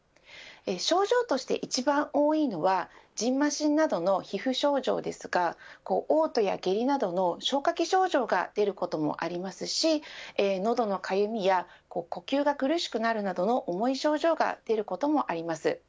症状として一番多いのはじんましんなどの皮膚症状ですが嘔吐や下痢などの消化器症状が出ることもありますし喉のかゆみや呼吸が苦しくなるなどの重い症状が出ることもあります。